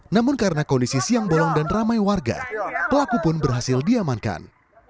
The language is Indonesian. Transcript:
namun karena kondisi siang bolong dan ramai warga pelaku pun berhasil diamankan